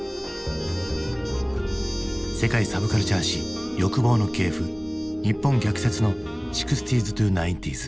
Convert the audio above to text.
「世界サブカルチャー史欲望の系譜日本逆説の６０−９０ｓ」。